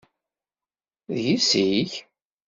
D yessi-k?